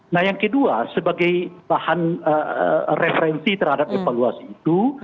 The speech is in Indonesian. nah yang kedua sebagai bahan referensi terhadap evaluasi itu